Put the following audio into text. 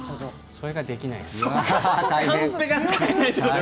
それができないんですね。